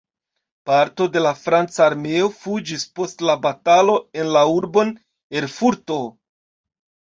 Parto de la franca armeo fuĝis post la batalo en la urbon Erfurto.